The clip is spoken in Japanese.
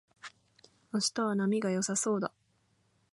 明日は波が良さそうだ